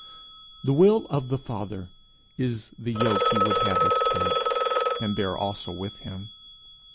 The will of the Father is the yoke he would have us take, and bear also with him.